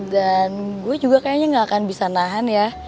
dan gue juga kayaknya gak akan bisa nahan ya